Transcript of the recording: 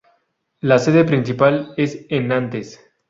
La sede principal es en Nantes.